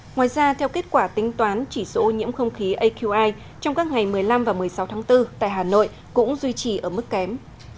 ngoài ra theo kết quả tính toán chỉ số ô nhiễm không khí aqi trong các ngày một mươi năm và một mươi sáu tháng bốn tại hà nội cũng duy trì ở mức kém